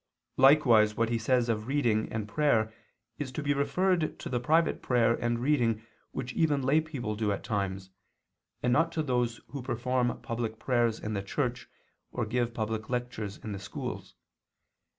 Likewise what he says of reading and prayer is to be referred to the private prayer and reading which even lay people do at times, and not to those who perform public prayers in the church, or give public lectures in the schools.